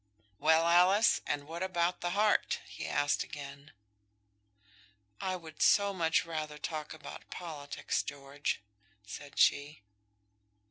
"Well, Alice, and what about the heart?" he asked again. "I would so much rather talk about politics, George," said she.